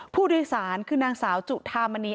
ผู้โดยสารคือนางสาวจุธามณี